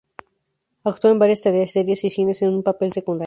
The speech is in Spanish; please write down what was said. Actuó en varias teleseries y cines en un papel secundario.